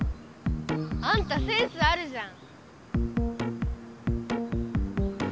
あんたセンスあるじゃん。